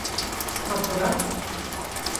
А пурак?